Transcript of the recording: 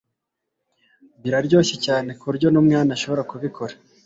Biroroshye cyane kuburyo numwana ashobora kubikora